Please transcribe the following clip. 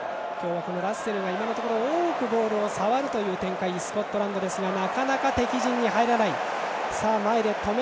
ラッセルが今のところ多くボールを触るという展開のスコットランドですがなかなか敵陣に入れない。